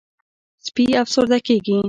سپي افسرده کېږي.